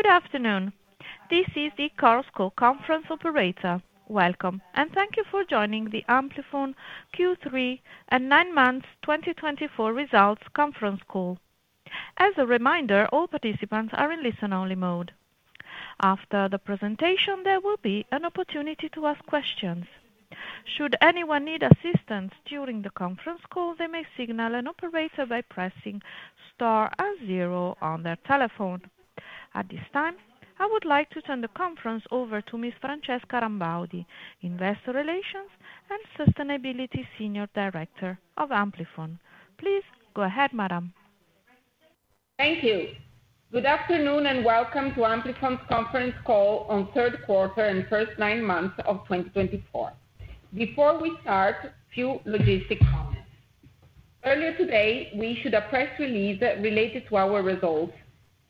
Good afternoon. This is the Chorus Call conference operator. Welcome, and thank you for joining the Amplifon Q3 and 9 months 2024 results conference call. As a reminder, all participants are in listen-only mode. After the presentation, there will be an opportunity to ask questions. Should anyone need assistance during the conference call, they may signal an operator by pressing star and zero on their telephone. At this time, I would like to turn the conference over to Ms. Francesca Rambaudi, Investor Relations and Sustainability Senior Director of Amplifon. Please go ahead, Madam. Thank you. Good afternoon and welcome to Amplifon's conference call on third quarter and first nine months of 2024. Before we start, a few logistical comments. Earlier today, we issued a press release related to our results,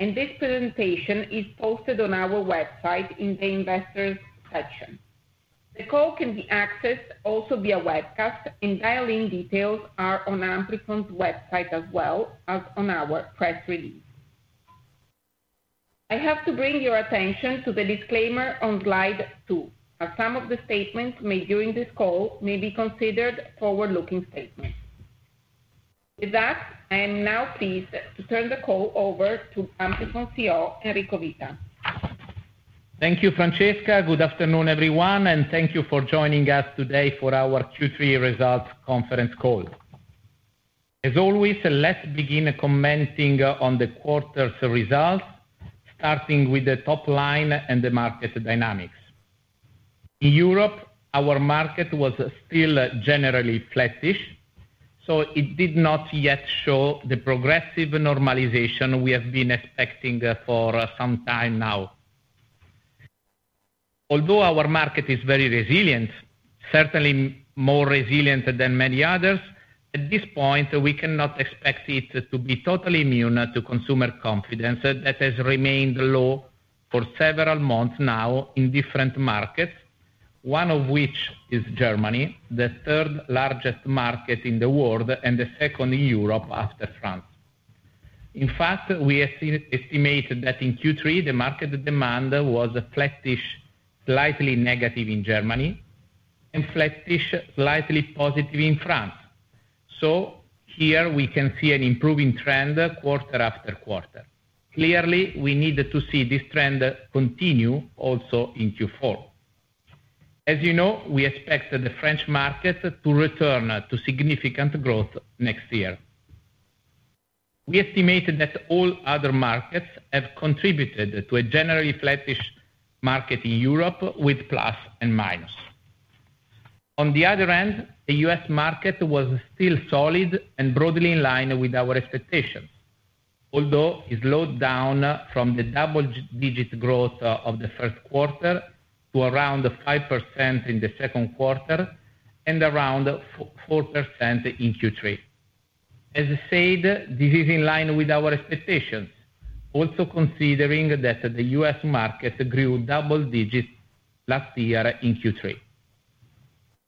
and this presentation is posted on our website in the investors section. The call can be accessed also via webcast, and dial-in details are on Amplifon's website as well as on our press release. I have to bring your attention to the disclaimer on slide two, as some of the statements made during this call may be considered forward-looking statements. With that, I am now pleased to turn the call over to Amplifon CEO, Enrico Vita. Thank you, Francesca. Good afternoon, everyone, and thank you for joining us today for our Q3 results conference call. As always, let's begin commenting on the quarter's results, starting with the top line and the market dynamics. In Europe, our market was still generally flattish, so it did not yet show the progressive normalization we have been expecting for some time now. Although our market is very resilient, certainly more resilient than many others, at this point, we cannot expect it to be totally immune to consumer confidence that has remained low for several months now in different markets, one of which is Germany, the third largest market in the world and the second in Europe after France. In fact, we estimate that in Q3, the market demand was flattish, slightly negative in Germany, and flattish, slightly positive in France. So here, we can see an improving trend quarter after quarter. Clearly, we need to see this trend continue also in Q4. As you know, we expect the French market to return to significant growth next year. We estimate that all other markets have contributed to a generally flattish market in Europe with plus and minus. On the other hand, the US market was still solid and broadly in line with our expectations, although it slowed down from the double-digit growth of the first quarter to around 5% in the second quarter and around 4% in Q3. As said, this is in line with our expectations, also considering that the US market grew double-digits last year in Q3.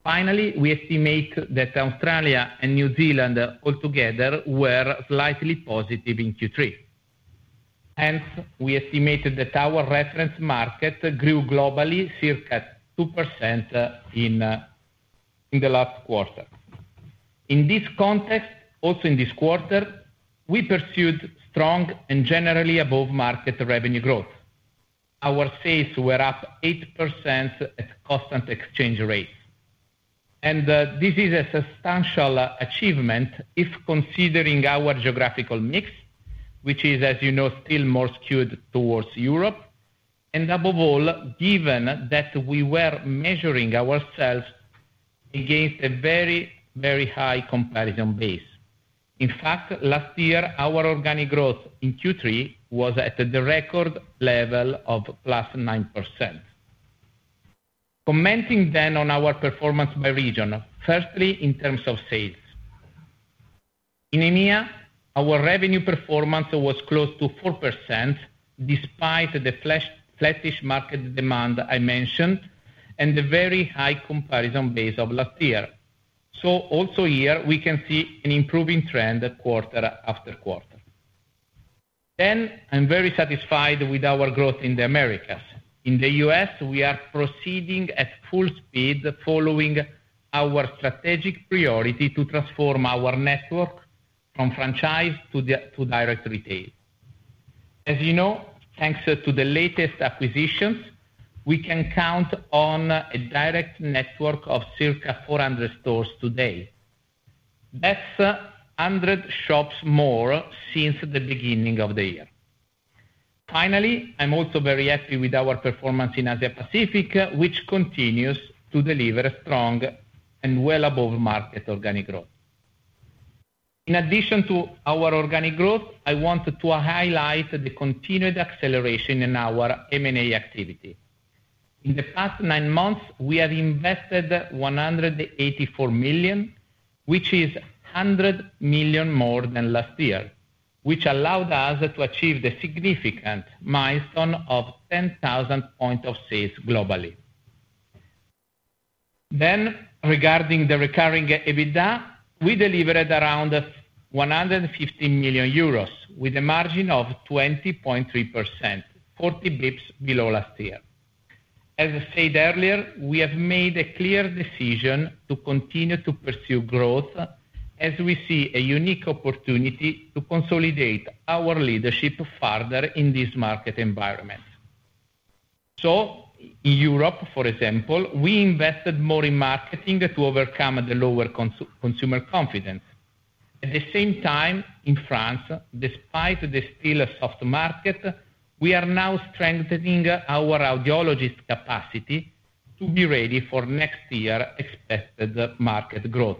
Finally, we estimate that Australia and New Zealand altogether were slightly positive in Q3. Hence, we estimate that our reference market grew globally circa 2% in the last quarter. In this context, also in this quarter, we pursued strong and generally above-market revenue growth. Our sales were up 8% at constant exchange rates, and this is a substantial achievement if considering our geographical mix, which is, as you know, still more skewed towards Europe, and above all, given that we were measuring ourselves against a very, very high comparison base. In fact, last year, our organic growth in Q3 was at the record level of plus 9%. Commenting then on our performance by region, firstly, in terms of sales. In EMEA, our revenue performance was close to 4% despite the flattish market demand I mentioned and the very high comparison base of last year, so also here, we can see an improving trend quarter after quarter, then I'm very satisfied with our growth in the Americas. In the U.S., we are proceeding at full speed following our strategic priority to transform our network from franchise to direct retail. As you know, thanks to the latest acquisitions, we can count on a direct network of circa 400 stores today. That's 100 shops more since the beginning of the year. Finally, I'm also very happy with our performance in Asia-Pacific, which continues to deliver strong and well above-market organic growth. In addition to our organic growth, I want to highlight the continued acceleration in our M&A activity. In the past nine months, we have invested 184 million, which is 100 million more than last year, which allowed us to achieve the significant milestone of 10,000 points of sale globally, then regarding the recurring EBITDA, we delivered around 150 million euros with a margin of 20.3%, 40 basis points below last year. As said earlier, we have made a clear decision to continue to pursue growth as we see a unique opportunity to consolidate our leadership further in this market environment. So in Europe, for example, we invested more in marketing to overcome the lower consumer confidence. At the same time, in France, despite the still soft market, we are now strengthening our audiologist capacity to be ready for next year's expected market growth.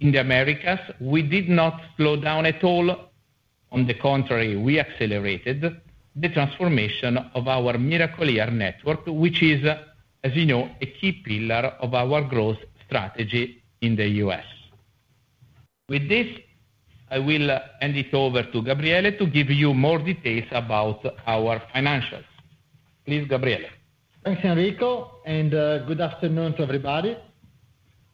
In the Americas, we did not slow down at all. On the contrary, we accelerated the transformation of our Miracle-Ear network, which is, as you know, a key pillar of our growth strategy in the U.S. With this, I will hand it over to Gabriele to give you more details about our financials. Please, Gabriele. Thanks, Enrico, and good afternoon to everybody.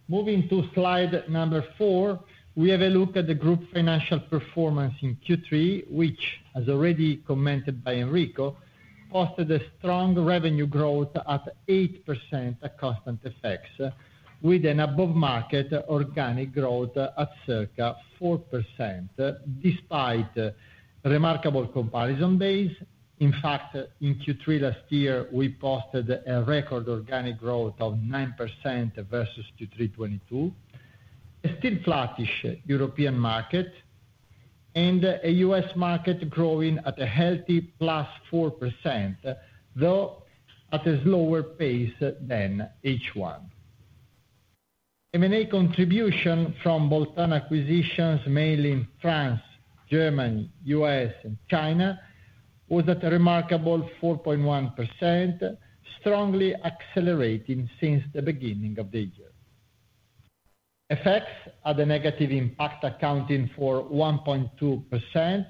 Moving to slide number four, we have a look at the group financial performance in Q3, which, as already commented by Enrico, posted a strong revenue growth at 8% at constant effects, with an above-market organic growth at circa 4% despite remarkable comparison base. In fact, in Q3 last year, we posted a record organic growth of 9% versus Q3 2022, a still flattish European market, and a U.S. market growing at a healthy +4%, though at a slower pace than H1. M&A contribution from bolt-on acquisitions, mainly in France, Germany, U.S., and China, was at a remarkable 4.1%, strongly accelerating since the beginning of the year. Effects had a negative impact, accounting for 1.2%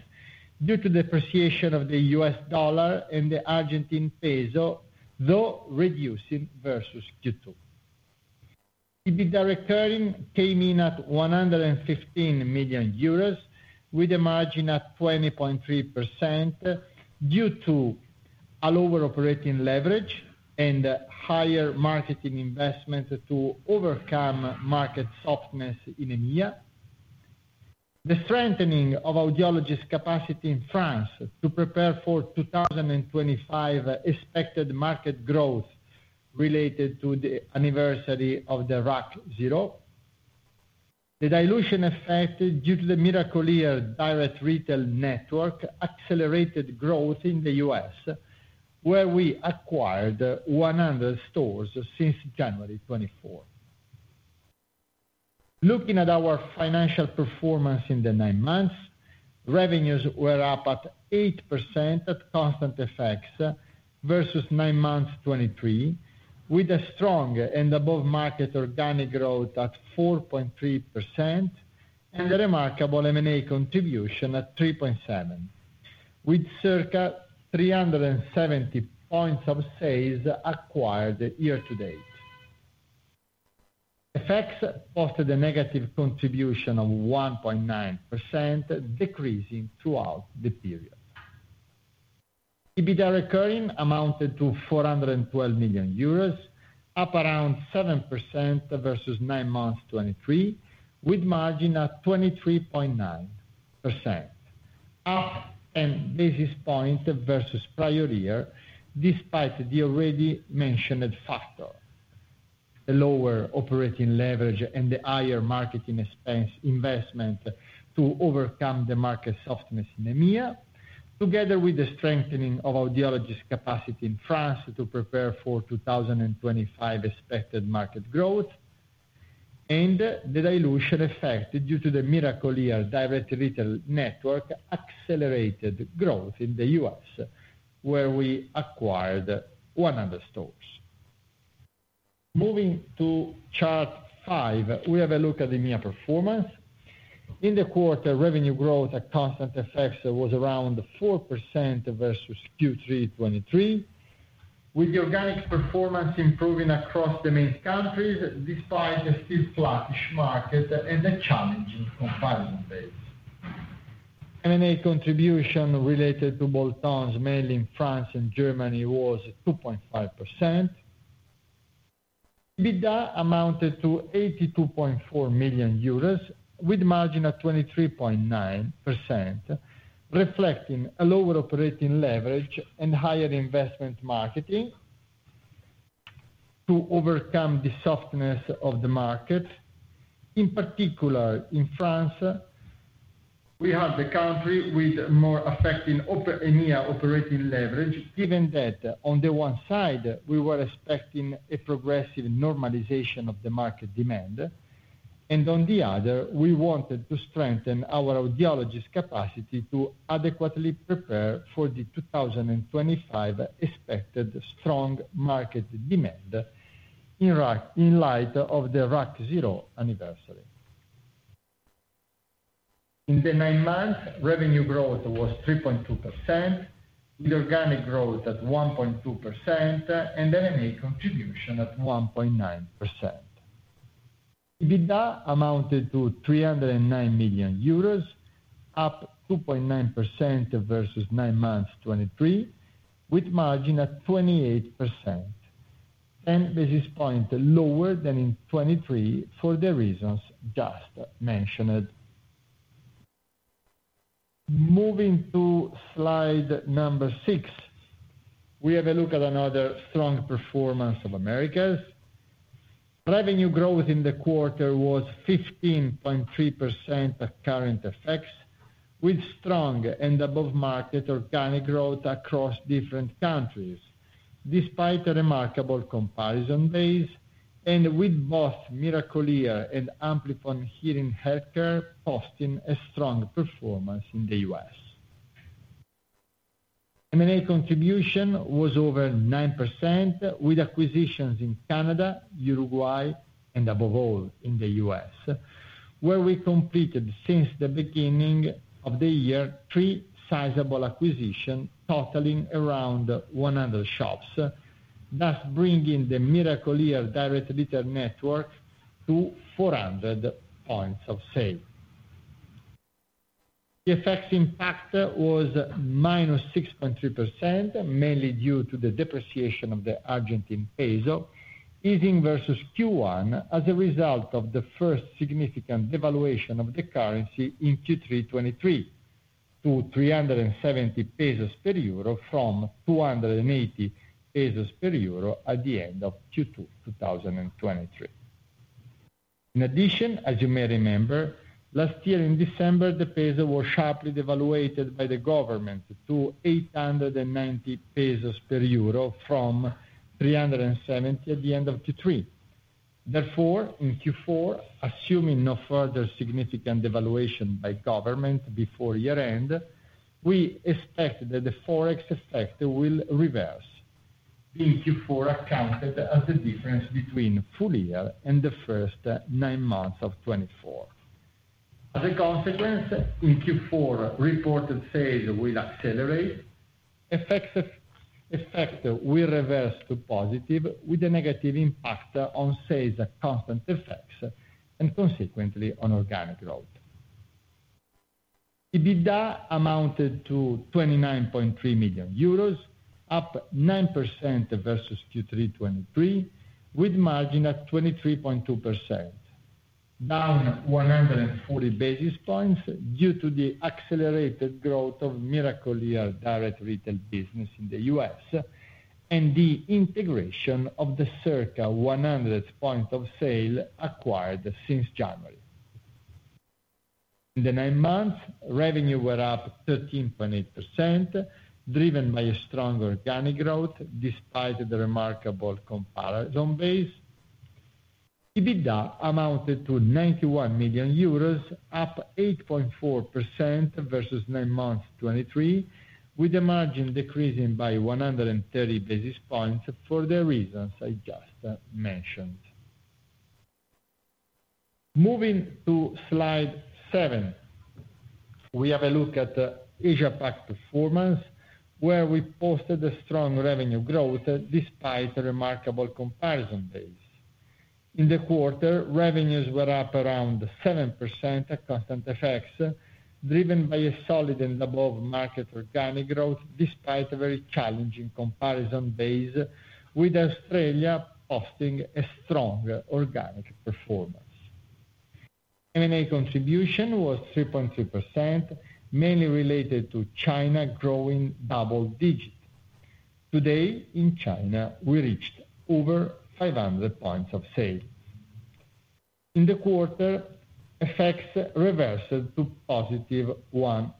due to the appreciation of the U.S. dollar and the Argentine peso, though reducing versus Q2. EBITDA recurring came in at 115 million euros, with a margin at 20.3% due to overall operating leverage and higher marketing investment to overcome market softness in EMEA. The strengthening of audiologist capacity in France to prepare for 2025 expected market growth related to the anniversary of the RAC 0. The dilution effect due to the Miracle-Ear direct retail network accelerated growth in the US, where we acquired 100 stores since January 2024. Looking at our financial performance in the nine months, revenues were up at 8% at constant effects versus nine months 2023, with a strong and above-market organic growth at 4.3% and a remarkable M&A contribution at 3.7%, with circa 370 points of sale acquired year-to-date. FX effects posted a negative contribution of 1.9%, decreasing throughout the period. EBITDA recurring amounted to 412 million euros, up around 7% versus nine months 2023, with margin at 23.9%, up 10 basis points versus prior year despite the already mentioned factor. The lower operating leverage and the higher marketing expense investment to overcome the market softness in EMEA, together with the strengthening of audiologist capacity in France to prepare for 2025 expected market growth, and the dilution effect due to the Miracle-Ear direct retail network accelerated growth in the US, where we acquired 100 stores. Moving to chart five, we have a look at EMEA performance. In the quarter, revenue growth at constant effects was around 4% versus Q3 2023, with the organic performance improving across the main countries despite a still flattish market and a challenging comparison base. M&A contribution related to bolt-ons, mainly in France and Germany, was 2.5%. EBITDA amounted to 82.4 million euros, with margin at 23.9%, reflecting a lower operating leverage and higher investment marketing to overcome the softness of the market. In particular, in France, we have the country with more affecting EMEA operating leverage, given that on the one side, we were expecting a progressive normalization of the market demand, and on the other, we wanted to strengthen our audiologist capacity to adequately prepare for the 2025 expected strong market demand in light of the RAC0 anniversary. In the nine months, revenue growth was 3.2%, with organic growth at 1.2%, and M&A contribution at 1.9%. EBITDA amounted to 309 million euros, up 2.9% versus nine months 2023, with margin at 28%, 10 basis points lower than in 2023 for the reasons just mentioned. Moving to slide number six, we have a look at another strong performance of Americas. Revenue growth in the quarter was 15.3% at current effects, with strong and above-market organic growth across different countries despite a remarkable comparison base, and with both Miracle-Ear and Amplifon Hearing Healthcare posting a strong performance in the US. M&A contribution was over 9%, with acquisitions in Canada, Uruguay, and above all in the US, where we completed since the beginning of the year three sizable acquisitions totaling around 100 shops, thus bringing the Miracle-Ear direct retail network to 400 points of sale. The effects impact was minus 6.3%, mainly due to the depreciation of the Argentine peso easing versus Q1 as a result of the first significant devaluation of the currency in Q3 2023 to 370 pesos per euro from 280 pesos per euro at the end of Q2 2023. In addition, as you may remember, last year in December, the peso was sharply devalued by the government to 890 pesos per euro from 370 at the end of Q3. Therefore, in Q4, assuming no further significant devaluation by government before year-end, we expect that the forex effect will reverse, being Q4 accounted as the difference between full year and the first nine months of 2024. As a consequence, in Q4, reported sales will accelerate. Effects will reverse to positive, with a negative impact on sales at constant effects and consequently on organic growth. EBITDA amounted to 29.3 million euros, up 9% versus Q3 2023, with margin at 23.2%, down 140 basis points due to the accelerated growth of Miracle-Ear direct retail business in the U.S. and the integration of the circa 100 points of sale acquired since January. In the nine months, revenue were up 13.8%, driven by a strong organic growth despite the remarkable comparison base. EBITDA amounted to 91 million euros, up 8.4% versus nine months 2023, with the margin decreasing by 130 basis points for the reasons I just mentioned. Moving to slide seven, we have a look at Asia-Pac performance, where we posted a strong revenue growth despite a remarkable comparison base. In the quarter, revenues were up around 7% at constant effects, driven by a solid and above-market organic growth despite a very challenging comparison base, with Australia posting a strong organic performance. M&A contribution was 3.3%, mainly related to China growing double-digit. Today, in China, we reached over 500 points of sale. In the quarter, effects reversed to positive 1%.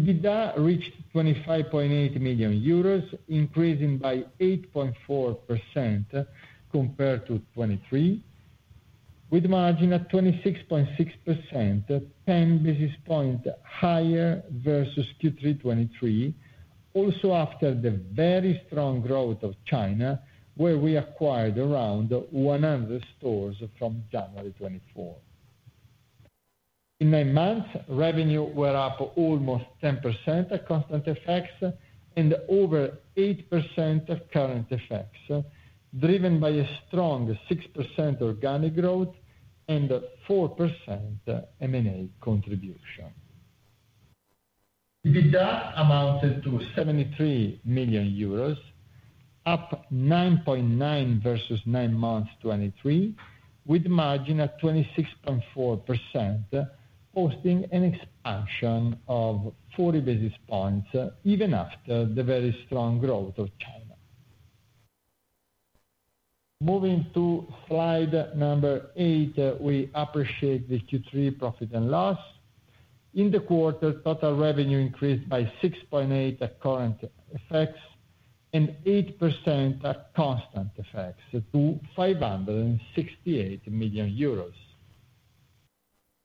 EBITDA reached 25.8 million euros, increasing by 8.4% compared to 2023, with margin at 26.6%, 10 basis points higher versus Q3 2023, also after the very strong growth of China, where we acquired around 100 stores from January 2024. In nine months, revenue were up almost 10% at constant effects and over 8% at current effects, driven by a strong 6% organic growth and 4% M&A contribution. EBITDA amounted to 73 million euros, up 9.9% versus nine months 2023, with margin at 26.4%, posting an expansion of 40 basis points even after the very strong growth of China. Moving to slide number eight, we appreciate the Q3 profit and loss. In the quarter, total revenue increased by 6.8% at current effects and 8% at constant effects to 568 million euros.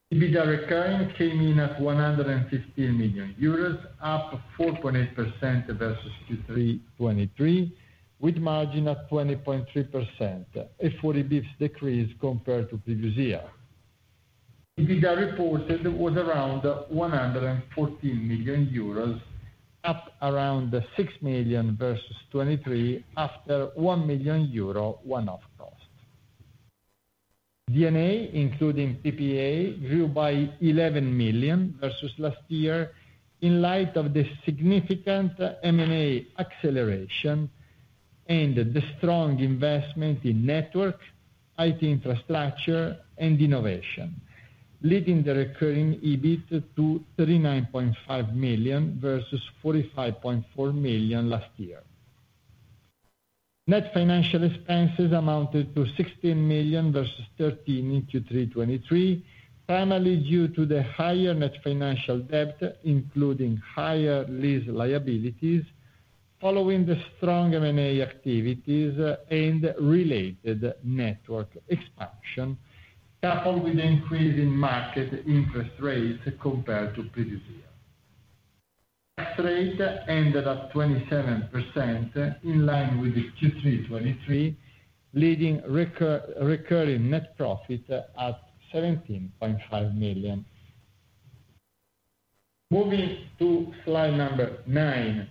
Recurring EBITDA came in at 115 million euros, up 4.8% versus Q3 2023, with margin at 20.3%, a 40 basis point decrease compared to previous year. EBITDA reported was around 114 million euros, up around 6 million versus 2023 after 1 million euro one-off cost. D&A, including PPA, grew by 11 million versus last year in light of the significant M&A acceleration and the strong investment in network, IT infrastructure, and innovation, leading the recurring EBIT to 39.5 million versus 45.4 million last year. Net financial expenses amounted to 16 million versus 13 million in Q3 2023, primarily due to the higher net financial debt, including higher lease liabilities following the strong M&A activities and related network expansion, coupled with the increase in market interest rates compared to previous year. Tax rate ended at 27% in line with Q3 2023, leading recurring net profit at 17.5 million. Moving to slide number nine,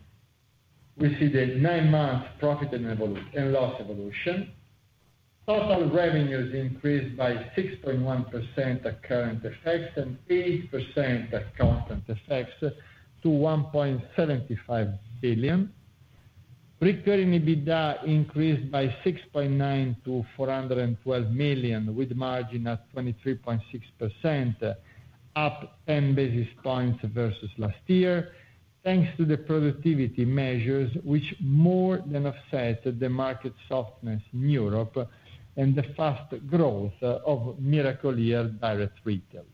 we see the nine-month profit and loss evolution. Total revenues increased by 6.1% at current effects and 8% at constant effects to 1.75 billion. Recurring EBITDA increased by 6.9% to 412 million, with margin at 23.6%, up 10 basis points versus last year, thanks to the productivity measures, which more than offset the market softness in Europe and the fast growth of Miracle-Ear direct retail.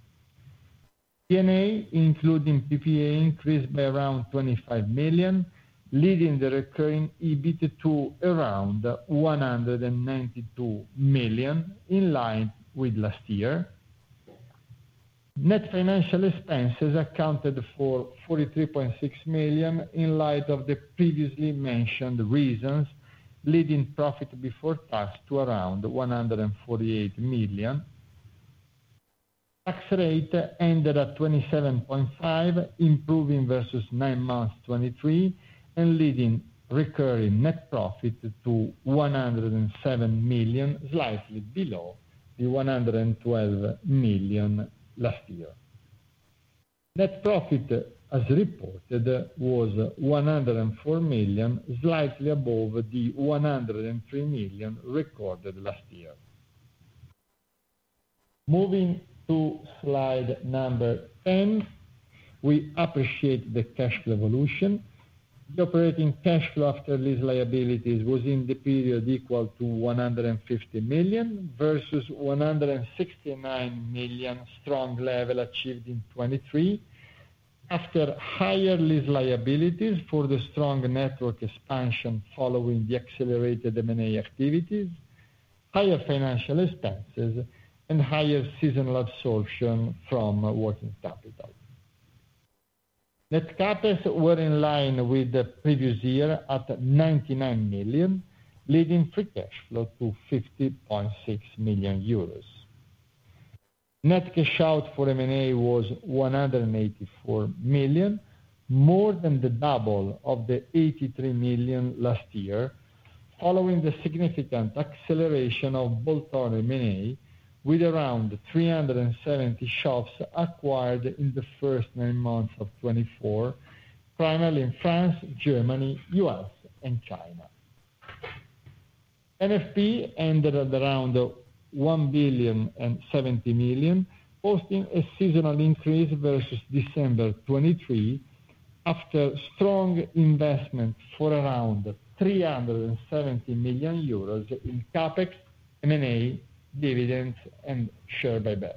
D&A, including PPA, increased by around 25 million, leading the recurring EBIT to around 192 million in line with last year. Net financial expenses accounted for 43.6 million in light of the previously mentioned reasons, leading profit before tax to around 148 million. Tax rate ended at 27.5%, improving versus nine months 2023, and leading recurring net profit to 107 million, slightly below the 112 million last year. Net profit, as reported, was 104 million, slightly above the 103 million recorded last year. Moving to slide number 10, we appreciate the cash flow evolution. The operating cash flow after lease liabilities was in the period equal to 150 million versus 169 million strong level achieved in 2023, after higher lease liabilities for the strong network expansion following the accelerated M&A activities, higher financial expenses, and higher seasonal absorption from working capital. Net capex were in line with the previous year at 99 million, leading free cash flow to 50.6 million euros. Net cash out for M&A was 184 million, more than the double of the 83 million last year, following the significant acceleration of bolt-on M&A, with around 370 shops acquired in the first nine months of 2024, primarily in France, Germany, US, and China. NFP ended at around 1 billion and 70 million, posting a seasonal increase versus December 2023, after strong investment for around 370 million euros in Capex, M&A, dividends, and share buyback.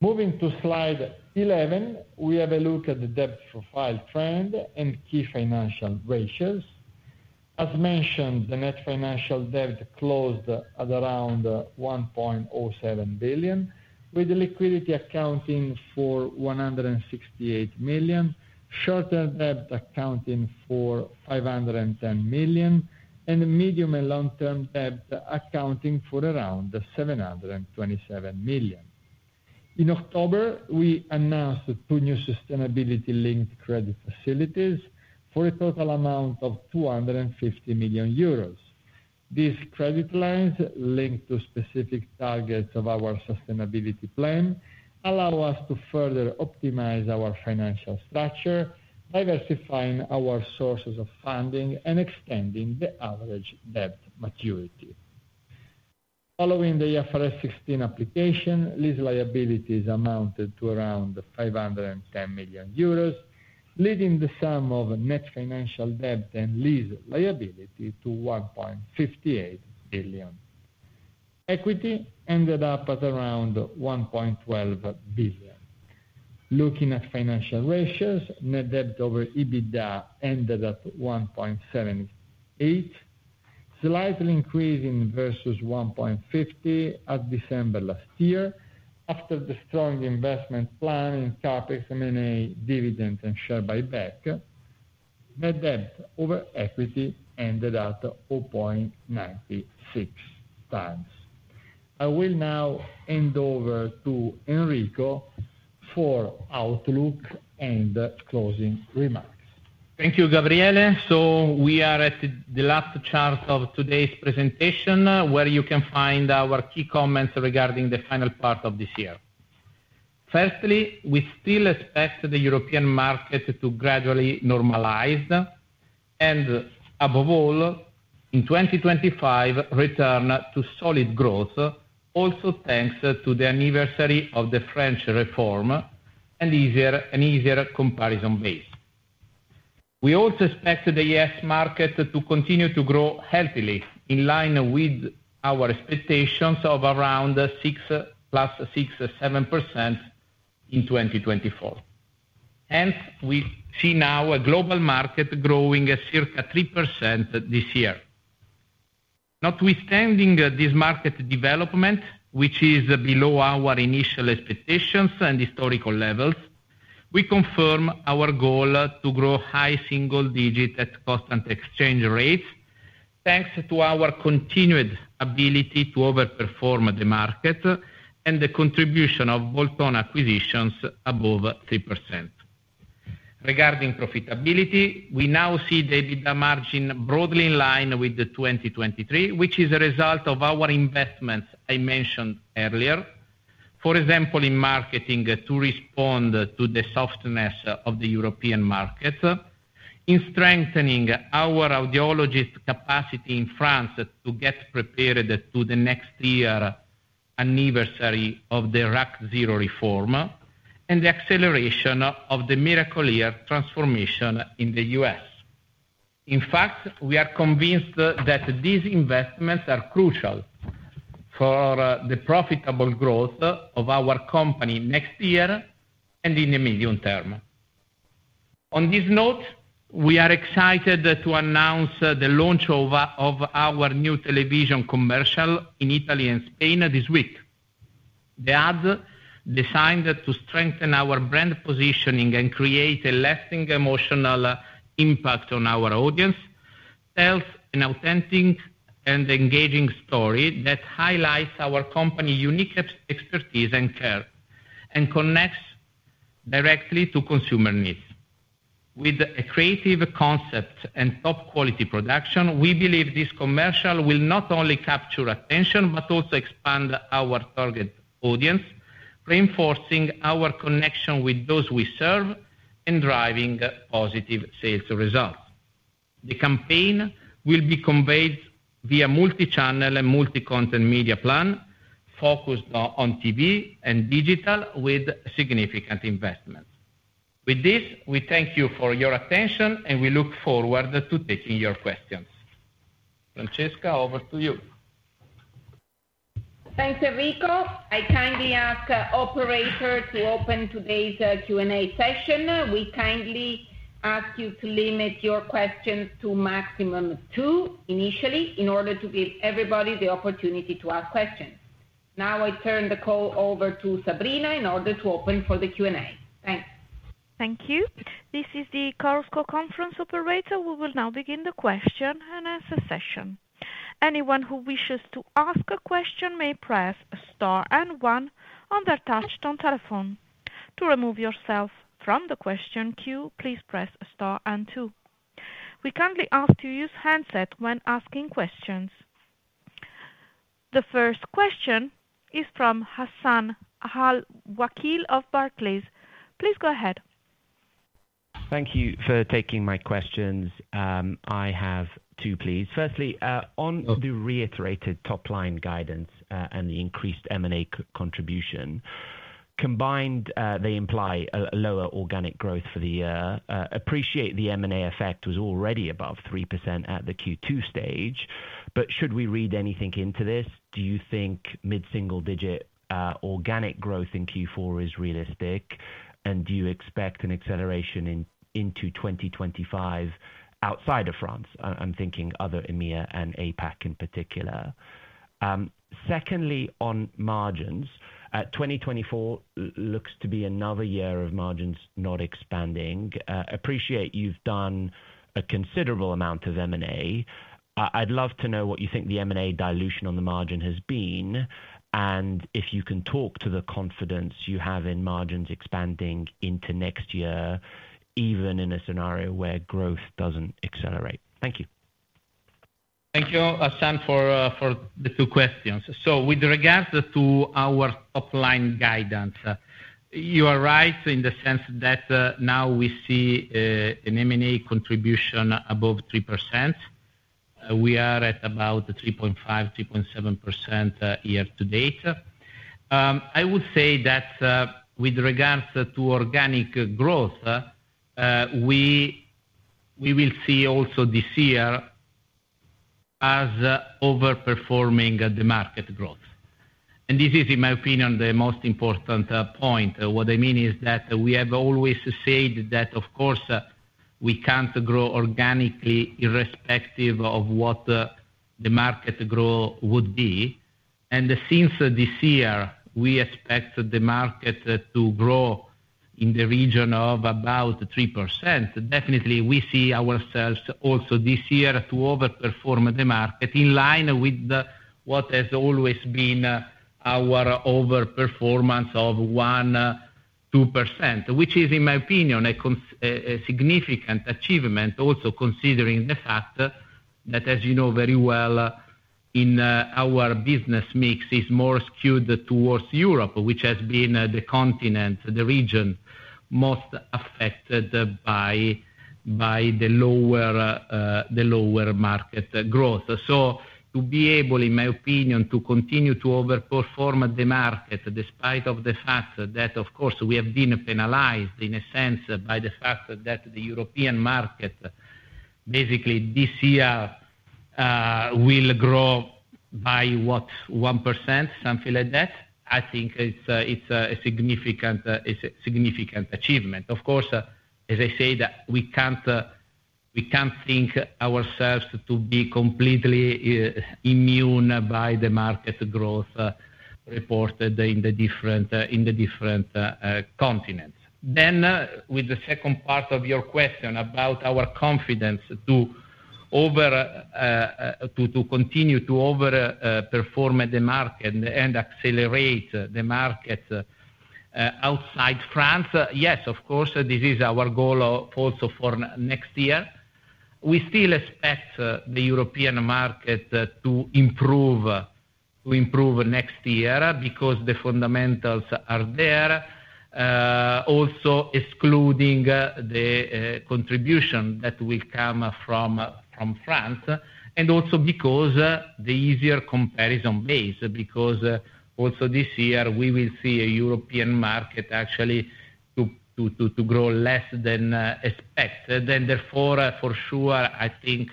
Moving to slide 11, we have a look at the debt profile trend and key financial ratios. As mentioned, the net financial debt closed at around 1.07 billion, with liquidity accounting for 168 million, short-term debt accounting for 510 million, and medium and long-term debt accounting for around 727 million. In October, we announced two new sustainability-linked credit facilities for a total amount of 250 million euros. These credit lines, linked to specific targets of our sustainability plan, allow us to further optimize our financial structure, diversifying our sources of funding and extending the average debt maturity. Following the IFRS 16 application, lease liabilities amounted to around 510 million euros, leading the sum of net financial debt and lease liability to 1.58 billion. Equity ended up at around 1.12 billion. Looking at financial ratios, net debt over EBITDA ended at 1.78, slightly increasing versus 1.50 at December last year. After the strong investment plan in Capex, M&A, dividends, and share buyback, net debt over equity ended at 0.96 times. I will now hand over to Enrico for outlook and closing remarks. Thank you, Gabriele. So we are at the last chart of today's presentation, where you can find our key comments regarding the final part of this year. Firstly, we still expect the European market to gradually normalize and, above all, in 2025, return to solid growth, also thanks to the anniversary of the French reform and easier comparison base. We also expect the U.S. market to continue to grow healthily, in line with our expectations of around 6 plus 6, 7% in 2024. Hence, we see now a global market growing at circa 3% this year. Notwithstanding this market development, which is below our initial expectations and historical levels, we confirm our goal to grow high single-digit at constant exchange rates, thanks to our continued ability to overperform the market and the contribution of bolt-on acquisitions above 3%. Regarding profitability, we now see the EBITDA margin broadly in line with 2023, which is a result of our investments I mentioned earlier, for example, in marketing to respond to the softness of the European market, in strengthening our audiologist capacity in France to get prepared to the next year anniversary of the RAC 0 reform, and the acceleration of the Miracle-Ear transformation in the U.S. In fact, we are convinced that these investments are crucial for the profitable growth of our company next year and in the medium term. On this note, we are excited to announce the launch of our new television commercial in Italy and Spain this week. The ad, designed to strengthen our brand positioning and create a lasting emotional impact on our audience, tells an authentic and engaging story that highlights our company's unique expertise and care and connects directly to consumer needs. With a creative concept and top-quality production, we believe this commercial will not only capture attention but also expand our target audience, reinforcing our connection with those we serve and driving positive sales results. The campaign will be conveyed via multi-channel and multi-content media plan, focused on TV and digital, with significant investments. With this, we thank you for your attention, and we look forward to taking your questions. Francesca, over to you. Thanks, Enrico. I kindly ask Operator to open today's Q&A session. We kindly ask you to limit your questions to maximum two initially in order to give everybody the opportunity to ask questions. Now I turn the call over to Sabrina in order to open for the Q&A. Thanks. Thank you. This is the conference operator. We will now begin the question and answer session. Anyone who wishes to ask a question may press star and one on their touch-tone telephone. To remove yourself from the question queue, please press star and two. We kindly ask to use handsets when asking questions. The first question is from Hassan Al-Wakil of Barclays. Please go ahead. Thank you for taking my questions. I have two, please. Firstly, on the reiterated top-line guidance and the increased M&A contribution, combined, they imply a lower organic growth for the year. I appreciate the M&A effect was already above 3% at the Q2 stage, but should we read anything into this? Do you think mid-single-digit organic growth in Q4 is realistic, and do you expect an acceleration into 2025 outside of France? I'm thinking other EMEA and APAC in particular. Secondly, on margins, 2024 looks to be another year of margins not expanding. I appreciate you've done a considerable amount of M&A. I'd love to know what you think the M&A dilution on the margin has been and if you can talk to the confidence you have in margins expanding into next year, even in a scenario where growth doesn't accelerate. Thank you. Thank you, Hassan, for the two questions. So with regards to our top-line guidance, you are right in the sense that now we see an M&A contribution above 3%. We are at about 3.5%-3.7% year to date. I would say that with regards to organic growth, we will see, also this year, as overperforming the market growth. And this is, in my opinion, the most important point. What I mean is that we have always said that, of course, we can't grow organically irrespective of what the market growth would be. And since this year, we expect the market to grow in the region of about 3%. Definitely, we see ourselves also this year to overperform the market in line with what has always been our overperformance of 1-2%, which is, in my opinion, a significant achievement, also considering the fact that, as you know very well, our business mix is more skewed towards Europe, which has been the continent, the region most affected by the lower market growth, so to be able, in my opinion, to continue to overperform the market despite the fact that, of course, we have been penalized in a sense by the fact that the European market basically this year will grow by what, 1%, something like that, I think it's a significant achievement. Of course, as I said, we can't think ourselves to be completely immune by the market growth reported in the different continents. Then, with the second part of your question about our confidence to continue to overperform the market and accelerate the market outside France, yes, of course, this is our goal also for next year. We still expect the European market to improve next year because the fundamentals are there, also excluding the contribution that will come from France, and also because the easier comparison base, because also this year we will see a European market actually to grow less than expected. And therefore, for sure, I think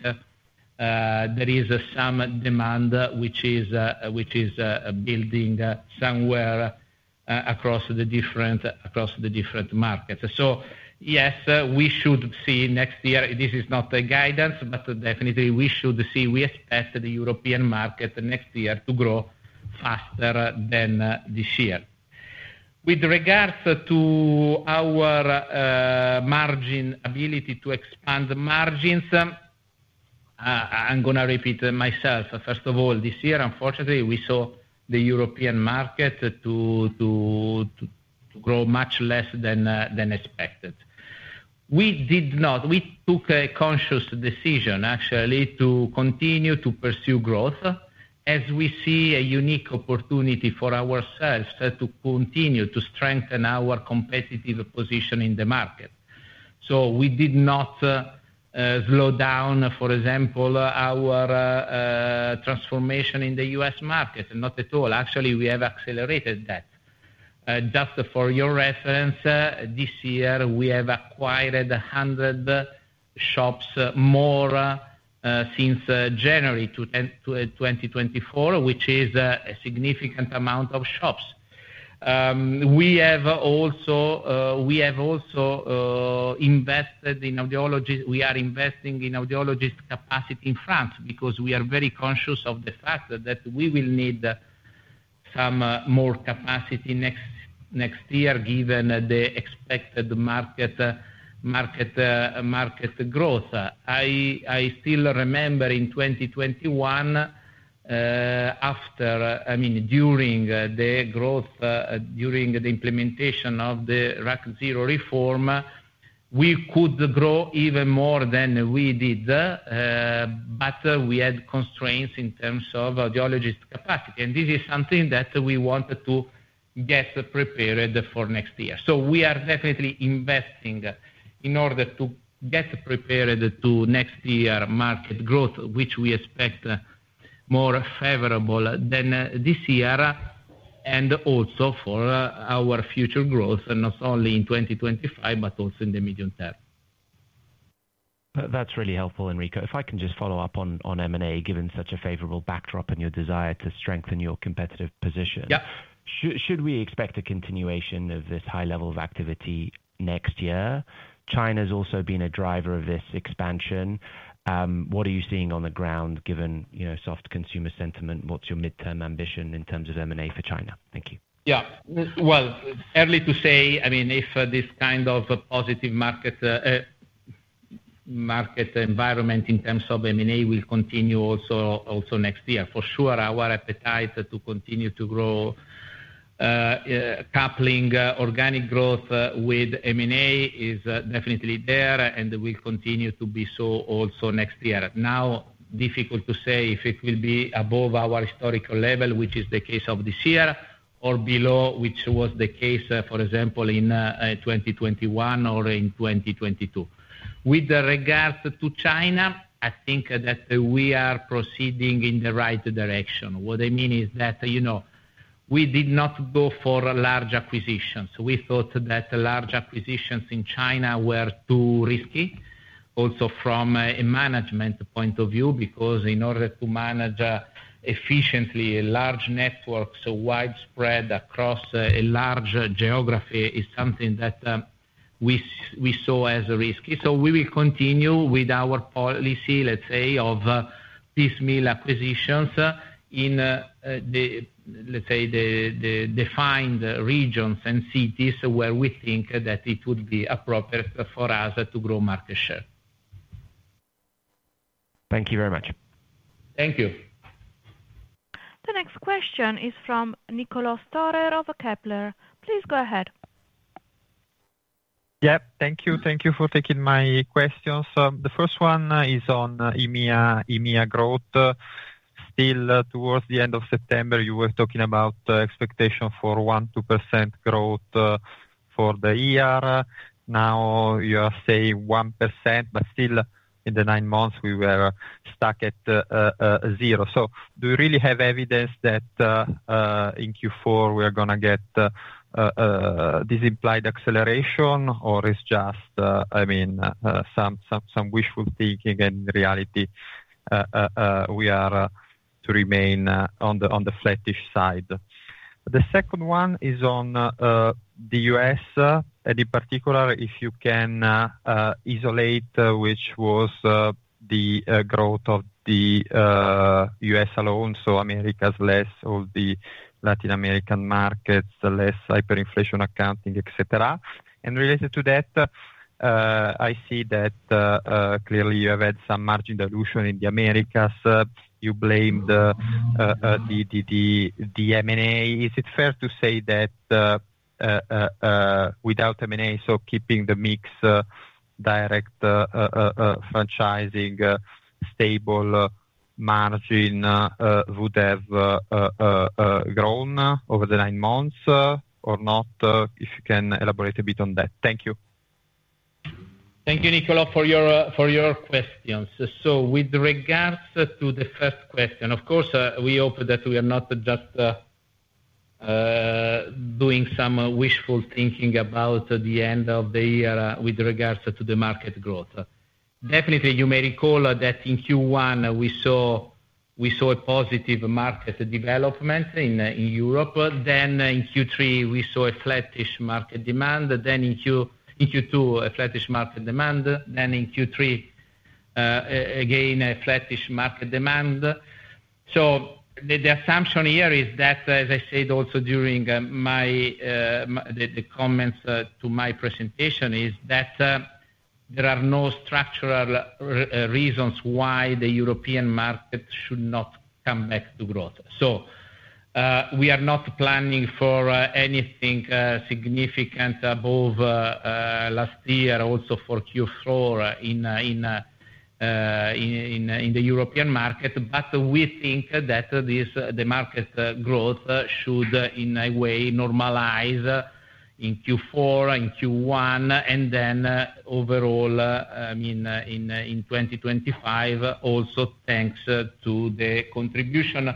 there is some demand which is building somewhere across the different markets. So yes, we should see next year, this is not a guidance, but definitely we should see, we expect the European market next year to grow faster than this year. With regards to our margin ability to expand margins, I'm going to repeat myself. First of all, this year, unfortunately, we saw the European market to grow much less than expected. We took a conscious decision, actually, to continue to pursue growth as we see a unique opportunity for ourselves to continue to strengthen our competitive position in the market. So we did not slow down, for example, our transformation in the U.S. market. Not at all. Actually, we have accelerated that. Just for your reference, this year we have acquired 100 shops more since January 2024, which is a significant amount of shops. We have also invested in audiologists. We are investing in audiologist capacity in France because we are very conscious of the fact that we will need some more capacity next year, given the expected market growth. I still remember in 2021, after, I mean, during the growth, during the implementation of the RAC 0 reform, we could grow even more than we did, but we had constraints in terms of audiologist capacity. And this is something that we wanted to get prepared for next year. So we are definitely investing in order to get prepared to next year market growth, which we expect more favorable than this year and also for our future growth, not only in 2025 but also in the medium term. That's really helpful, Enrico. If I can just follow up on M&A, given such a favorable backdrop and your desire to strengthen your competitive position? Yeah. Should we expect a continuation of this high level of activity next year? China has also been a driver of this expansion. What are you seeing on the ground, given soft consumer sentiment? What's your midterm ambition in terms of M&A for China? Thank you. Yeah. Well, it's early to say, I mean, if this kind of positive market environment in terms of M&A will continue also next year. For sure, our appetite to continue to grow, coupling organic growth with M&A, is definitely there and will continue to be so also next year. Now, it's difficult to say if it will be above our historical level, which is the case of this year, or below, which was the case, for example, in 2021 or in 2022. With regards to China, I think that we are proceeding in the right direction. What I mean is that we did not go for large acquisitions. We thought that large acquisitions in China were too risky, also from a management point of view, because in order to manage efficiently large networks widespread across a large geography is something that we saw as risky. So we will continue with our policy, let's say, of piecemeal acquisitions in, let's say, defined regions and cities where we think that it would be appropriate for us to grow market share. Thank you very much. Thank you. The next question is from Niccolò Storer of Kepler Cheuvreux. Please go ahead. Yeah. Thank you. Thank you for taking my questions. The first one is on EMEA growth. Still, towards the end of September, you were talking about expectation for 1-2% growth for the year. Now you say 1%, but still in the nine months, we were stuck at zero. So do you really have evidence that in Q4 we are going to get this implied acceleration, or is it just, I mean, some wishful thinking, and in reality, we are to remain on the flattish side? The second one is on the U.S., and in particular, if you can isolate which was the growth of the U.S. alone, so Americas less all the Latin American markets, less hyperinflation accounting, etc. And related to that, I see that clearly you have had some margin dilution in the Americas. You blamed the M&A. Is it fair to say that without M&A, so keeping the mix direct franchising stable margin would have grown over the nine months or not? If you can elaborate a bit on that. Thank you. Thank you, Nicola, for your questions. So with regards to the first question, of course, we hope that we are not just doing some wishful thinking about the end of the year with regards to the market growth. Definitely, you may recall that in Q1, we saw a positive market development in Europe. Then in Q3, we saw a flattish market demand. Then in Q2, a flattish market demand. Then in Q3, again, a flattish market demand. So the assumption here is that, as I said also during the comments to my presentation, is that there are no structural reasons why the European market should not come back to growth. So we are not planning for anything significant above last year, also for Q4 in the European market, but we think that the market growth should, in a way, normalize in Q4, in Q1, and then overall, I mean, in 2025, also thanks to the contribution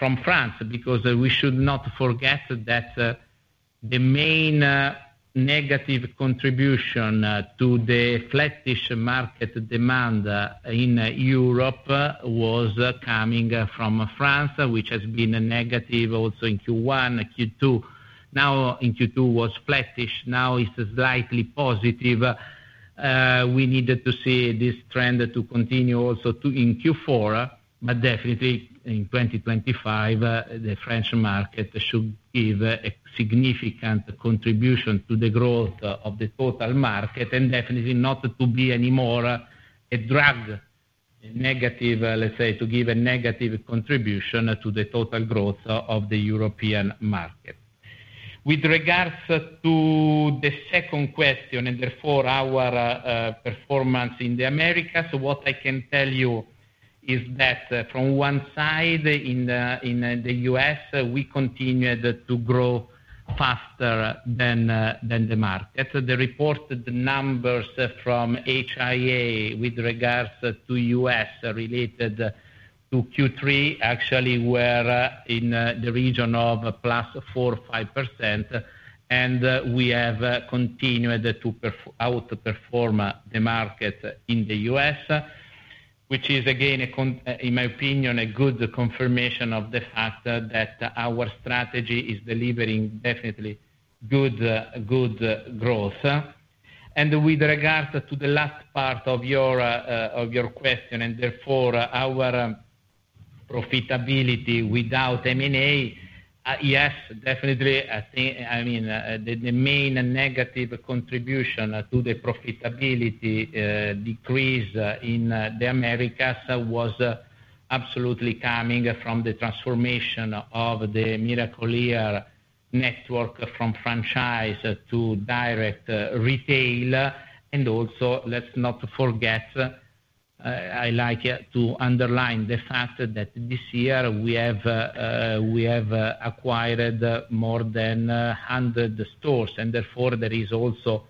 from France, because we should not forget that the main negative contribution to the flattish market demand in Europe was coming from France, which has been negative also in Q1, Q2. Now in Q2 was flattish, now it's slightly positive. We need to see this trend to continue also in Q4, but definitely in 2025, the French market should give a significant contribution to the growth of the total market and definitely not to be anymore a drag negative, let's say, to give a negative contribution to the total growth of the European market. With regards to the second question and therefore our performance in the Americas, what I can tell you is that from one side in the US, we continued to grow faster than the market. The reported numbers from HIA with regards to US related to Q3 actually were in the region of +4-5%, and we have continued to outperform the market in the US, which is, again, in my opinion, a good confirmation of the fact that our strategy is delivering definitely good growth. With regards to the last part of your question and therefore our profitability without M&A, yes, definitely, I mean, the main negative contribution to the profitability decrease in the Americas was absolutely coming from the transformation of the Miracle-Ear network from franchise to direct retail. Also, let's not forget. I like to underline the fact that this year we have acquired more than 100 stores, and therefore there is also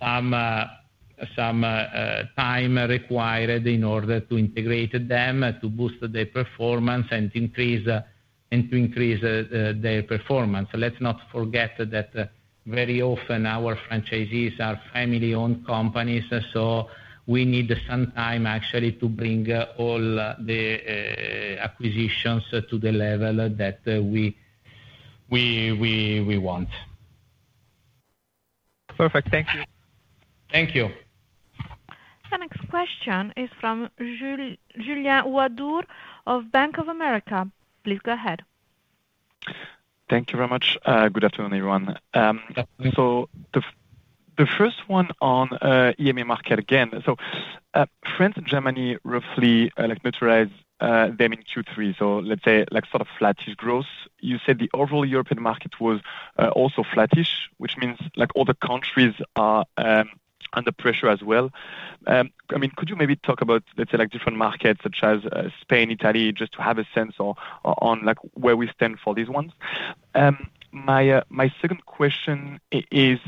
some time required in order to integrate them to boost their performance and to increase their performance. Let's not forget that very often our franchisees are family-owned companies, so we need some time actually to bring all the acquisitions to the level that we want. Perfect. Thank you. Thank you. The next question is from Julien Ouaddour of Bank of America. Please go ahead. Thank you very much. Good afternoon, everyone. The first one on EMEA market again. France and Germany roughly neutralized them in Q3, so let's say sort of flattish growth. You said the overall European market was also flattish, which means all the countries are under pressure as well. I mean, could you maybe talk about, let's say, different markets such as Spain, Italy, just to have a sense on where we stand for these ones? My second question is,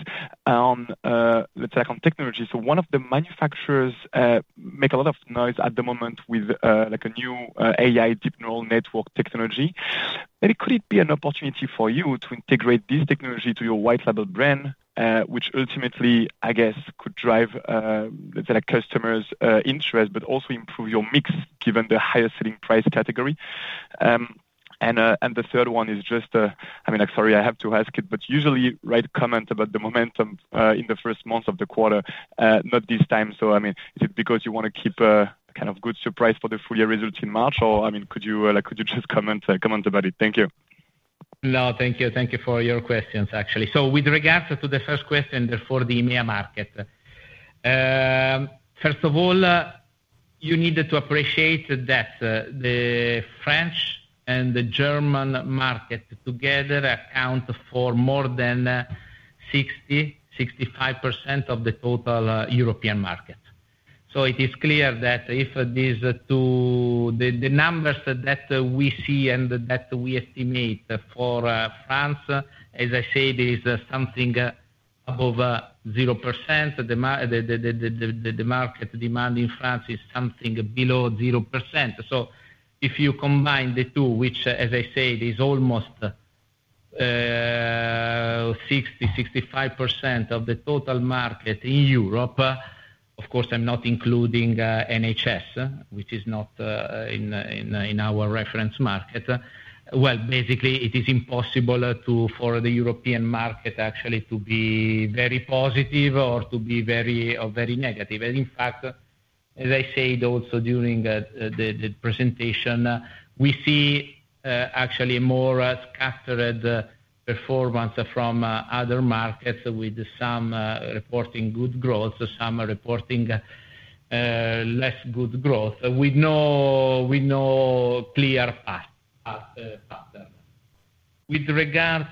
let's say, on technology. So one of the manufacturers makes a lot of noise at the moment with a new AI deep neural network technology. Could it be an opportunity for you to integrate this technology to your white label brand, which ultimately, I guess, could drive, let's say, customers' interest, but also improve your mix given the highest selling price category? And the third one is just, I mean, sorry, I have to ask it, but usually right comment about the momentum in the first month of the quarter, not this time. So I mean, is it because you want to keep a kind of good surprise for the full year results in March, or I mean, could you just comment about it? Thank you. No, thank you. Thank you for your questions, actually. So with regards to the first question, therefore the EMEA market. First of all, you need to appreciate that the French and the German market together account for more than 60%-65% of the total European market. So it is clear that if these two numbers that we see and that we estimate for France, as I said, is something above 0%, the market demand in France is something below 0%. So if you combine the two, which, as I said, is almost 60%-65% of the total market in Europe, of course, I'm not including NHS, which is not in our reference market. Basically, it is impossible for the European market actually to be very positive or to be very negative. In fact, as I said also during the presentation, we see actually a more scattered performance from other markets with some reporting good growth, some reporting less good growth with no clear pattern. With regards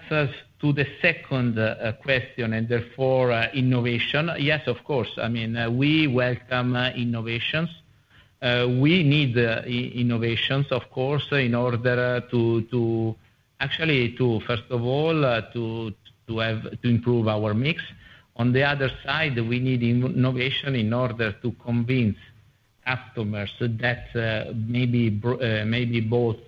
to the second question and therefore innovation, yes, of course. I mean, we welcome innovations. We need innovations, of course, in order to actually, first of all, to improve our mix. On the other side, we need innovation in order to convince customers that maybe bought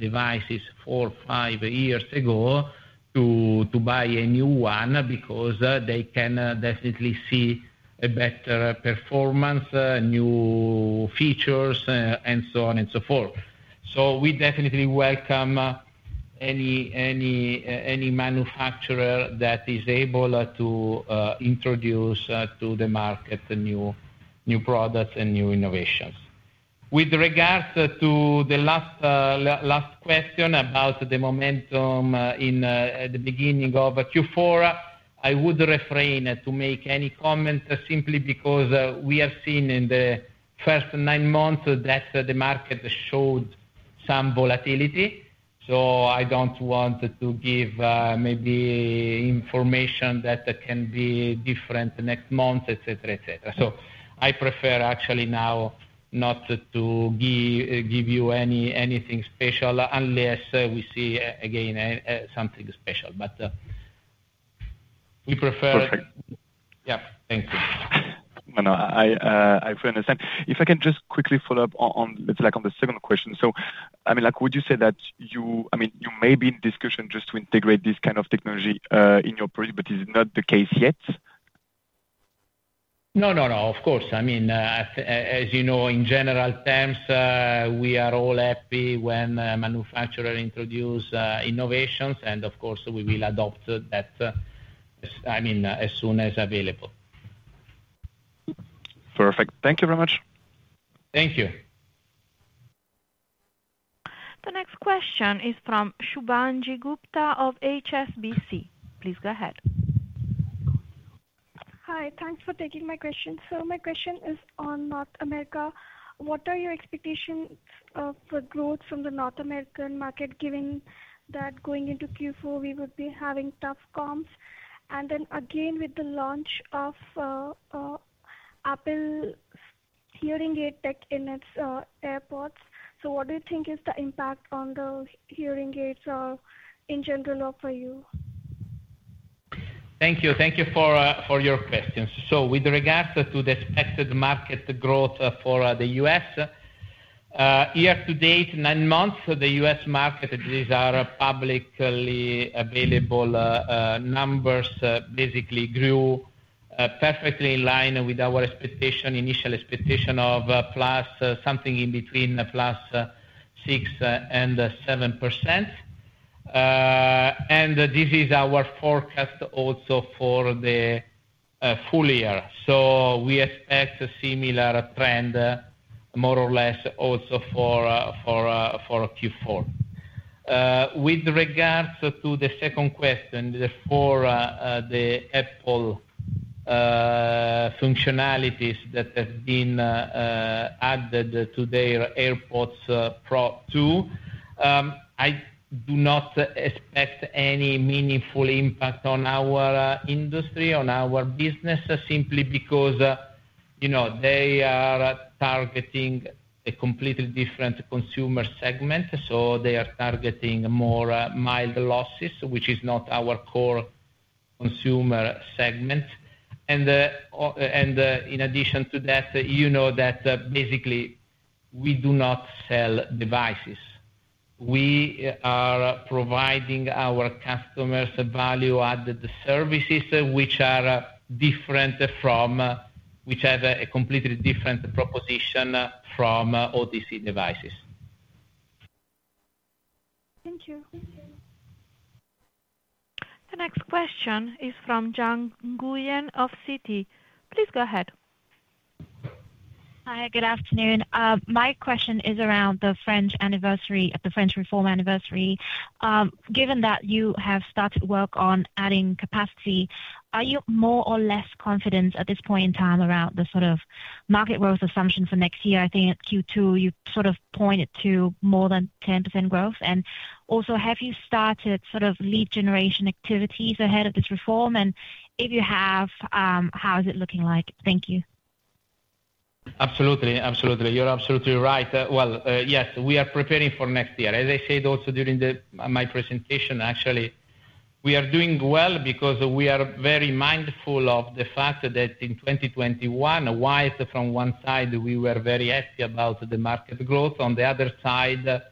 devices four, five years ago to buy a new one because they can definitely see a better performance, new features, and so on and so forth. So we definitely welcome any manufacturer that is able to introduce to the market new products and new innovations. With regards to the last question about the momentum in the beginning of Q4, I would refrain to make any comment simply because we have seen in the first nine months that the market showed some volatility. So I don't want to give maybe information that can be different next month, etc., etc. So I prefer actually now not to give you anything special unless we see, again, something special. But we prefer. Perfect. Yeah. Thank you. No, no. I fully understand. If I can just quickly follow up on, let's say, on the second question. So I mean, would you say that you may be in discussion just to integrate this kind of technology in your product, but it's not the case yet? No, no, no. Of course. I mean, as you know, in general terms, we are all happy when manufacturers introduce innovations, and of course, we will adopt that, I mean, as soon as available. Perfect. Thank you very much. Thank you. The next question is from Shubhangi Gupta of HSBC. Please go ahead. Hi. Thanks for taking my question. So my question is on North America. What are your expectations for growth from the North American market given that going into Q4 we would be having tough comps? And then again, with the launch of Apple's hearing aid tech in its AirPods, so what do you think is the impact on the hearing aids in general for you? Thank you. Thank you for your questions. With regards to the expected market growth for the U.S., year to date, nine months, the U.S. market, these are publicly available numbers, basically grew perfectly in line with our expectation, initial expectation of plus something in between plus 6% and 7%. And this is our forecast also for the full year. We expect a similar trend more or less also for Q4. With regards to the second question, therefore the Apple functionalities that have been added to their AirPods Pro 2, I do not expect any meaningful impact on our industry, on our business, simply because they are targeting a completely different consumer segment. So they are targeting more mild losses, which is not our core consumer segment. And in addition to that, you know that basically we do not sell devices. We are providing our customers value-added services, which are different from which have a completely different proposition from OTC devices. Thank you. The next question is from John Nguyen of Citi. Please go ahead. Hi. Good afternoon. My question is around the French anniversary, the French reform anniversary. Given that you have started work on adding capacity, are you more or less confident at this point intime around the sort of market growth assumption for next year? I think at Q2 you John Nguyen of Citi. Please go ahead. As I said also during my presentation, actually, we are doing well because we are very mindful of the fact that in 2021, while from one side we were very happy about the market growth, on the other side,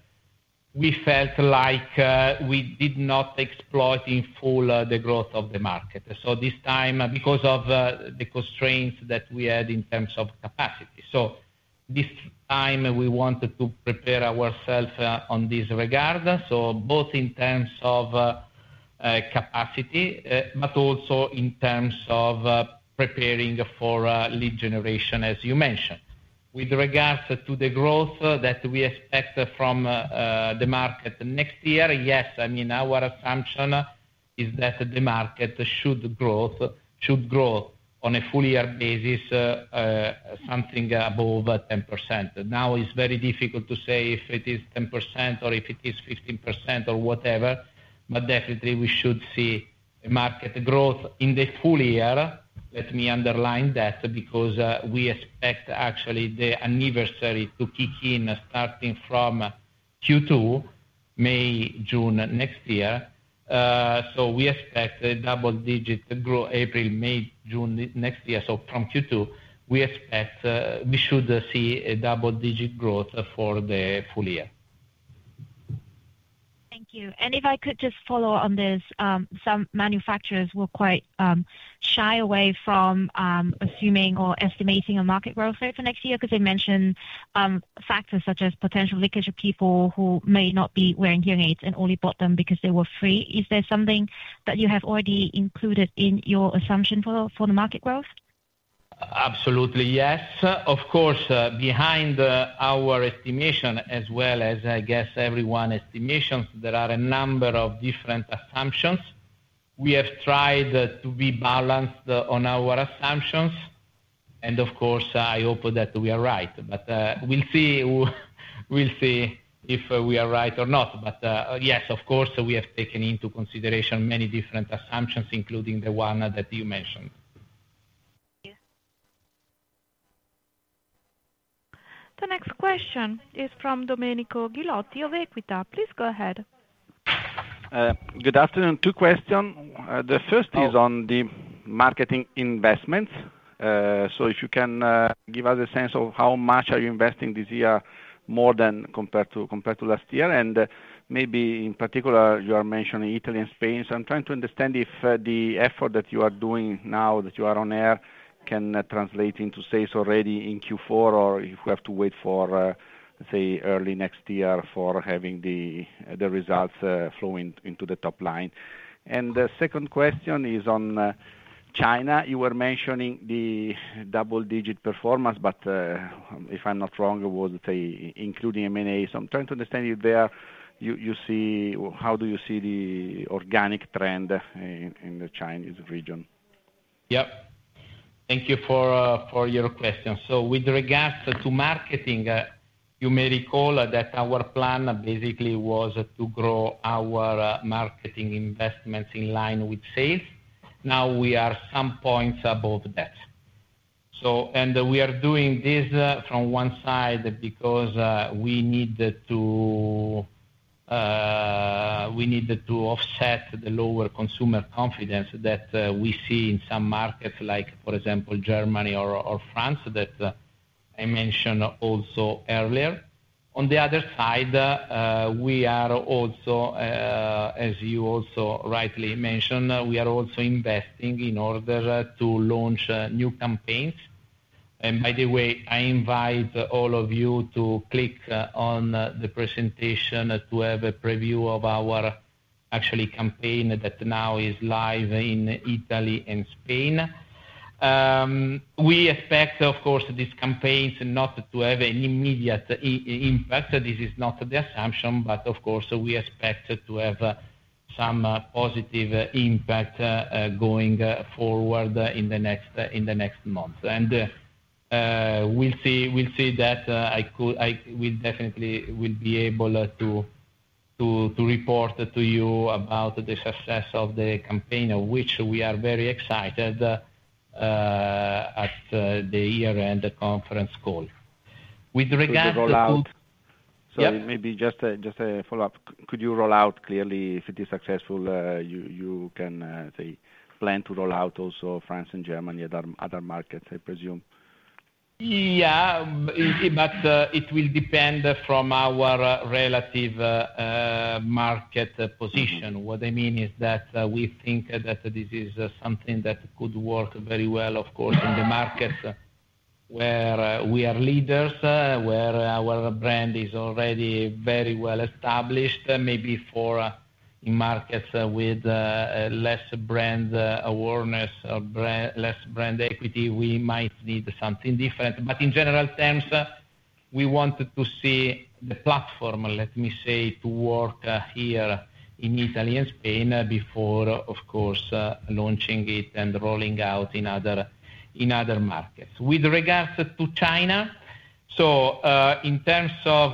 we felt like we did not exploit in full the growth of the market. So this time because of the constraints that we had in terms of capacity, so this time we wanted to prepare ourselves in this regard, so both in terms of capacity, but also in terms of preparing for lead generation, as you mentioned. With regards to the growth that we expect from the market next year, yes, I mean, our assumption is that the market should grow on a full year basis, something above 10%. Now it's very difficult to say if it is 10% or if it is 15% or whatever, but definitely we should see market growth in the full year. Let me underline that because we expect actually the anniversary to kick in starting from Q2, May, June next year. So we expect a double-digit growth April, May, June next year. So from Q2, we expect we should see a double-digit growth for the full year. Thank you. And if I could just follow on this, some manufacturers were quite shy away from assuming or estimating a market growth rate for next year because they mentioned factors such as potential leakage of people who may not be wearing hearing aids and only bought them because they were free. Is there something that you have already included in your assumption for the market growth? Absolutely. Yes. Of course, behind our estimation as well as, I guess, everyone's estimations, there are a number of different assumptions. We have tried to be balanced on our assumptions, and of course, I hope that we are right, but we'll see if we are right or not, but yes, of course, we have taken into consideration many different assumptions, including the one that you mentioned. Thank you. The next question is from Domenico Ghilotti of Equita. Please go ahead. Good afternoon. Two questions. The first is on the marketing investments. So if you can give us a sense of how much are you investing this year more than compared to last year? And maybe in particular, you are mentioning Italy and Spain. So I'm trying to understand if the effort that you are doing now, that you are on air, can translate into sales already in Q4 or if we have to wait for, let's say, early next year for having the results flowing into the top line. And the second question is on China. You were mentioning the double-digit performance, but if I'm not wrong, it was, let's say, including M&A. So I'm trying to understand if there you see how do you see the organic trend in the Chinese region? Yep. Thank you for your question. So with regards to marketing, you may recall that our plan basically was to grow our marketing investments in line with sales. Now we are some points above that. And we are doing this from one side because we need to offset the lower consumer confidence that we see in some markets, like for example, Germany or France that I mentioned also earlier. On the other side, we are also, as you also rightly mentioned, we are also investing in order to launch new campaigns. And by the way, I invite all of you to click on the presentation to have a preview of our actual campaign that now is live in Italy and Spain. We expect, of course, these campaigns not to have an immediate impact. This is not the assumption, but of course, we expect to have some positive impact going forward in the next month. And we'll see that. I will definitely be able to report to you about the success of the campaign, which we are very excited at the year-end conference call. Sorry, maybe just a follow-up. Could you roll out clearly if it is successful, you can say plan to roll out also France and Germany and other markets, I presume? Yeah, but it will depend from our relative market position. What I mean is that we think that this is something that could work very well, of course, in the markets where we are leaders, where our brand is already very well established. Maybe for markets with less brand awareness or less brand equity, we might need something different. But in general terms, we want to see the platform, let me say, to work here in Italy and Spain before, of course, launching it and rolling out in other markets. With regards to China, so in terms of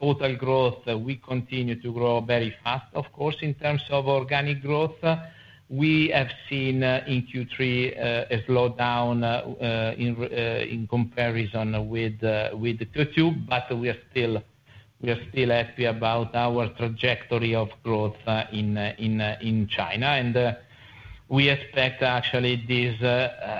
total growth, we continue to grow very fast. Of course, in terms of organic growth, we have seen in Q3 a slowdown in comparison with Q2, but we are still happy about our trajectory of growth in China. And we expect actually this,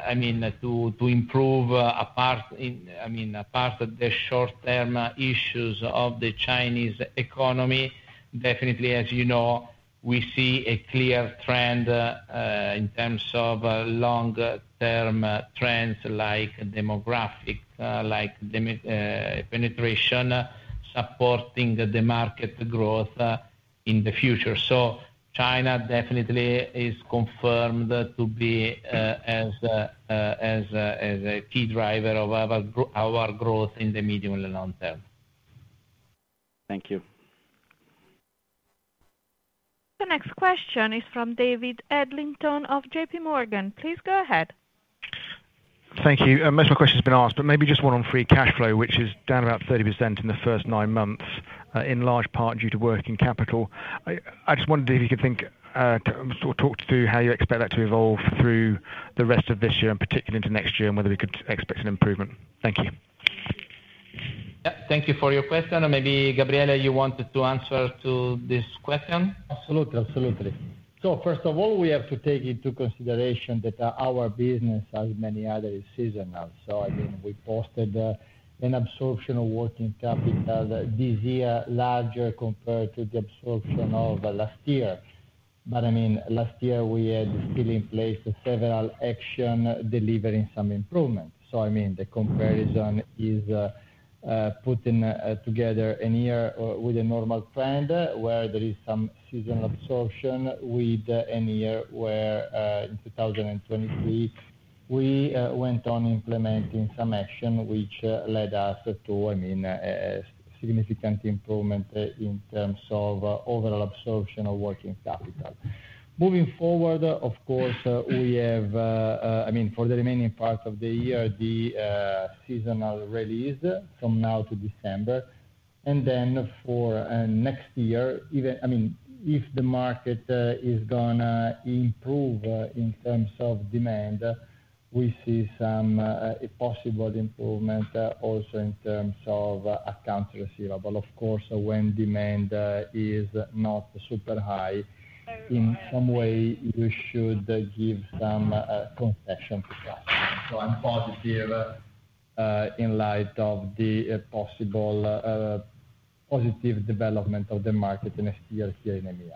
I mean, to improve apart, I mean, apart from the short-term issues of the Chinese economy. Definitely, as you know, we see a clear trend in terms of long-term trends like demographic, like penetration supporting the market growth in the future. So China definitely is confirmed to be as a key driver of our growth in the medium and long term. Thank you. The next question is from David Adlington of J.P. Morgan. Please go ahead. Thank you. Most of my questions have been asked, but maybe just one on free cash flow, which is down about 30% in the first nine months in large part due to working capital. I just wondered if you could think or talk through how you expect that to evolve through the rest of this year and particularly into next year and whether we could expect an improvement. Thank you. Yep. Thank you for your question. And maybe Gabriele, you wanted to answer to this question. Absolutely. Absolutely. So first of all, we have to take into consideration that our business, as many others, is seasonal. So I mean, we posted an absorption of working capital this year larger compared to the absorption of last year. But I mean, last year we had still in place several actions delivering some improvement. So I mean, the comparison is putting together a year with a normal trend where there is some seasonal absorption with a year where in 2023 we went on implementing some action, which led us to, I mean, significant improvement in terms of overall absorption of working capital. Moving forward, of course, we have, I mean, for the remaining part of the year, the seasonal release from now to December. And then for next year, I mean, if the market is going to improve in terms of demand, we see some possible improvement also in terms of accounts receivable. Of course, when demand is not super high, in some way you should give some concession to cash. So I'm positive in light of the possible positive development of the market next year here in EMEA.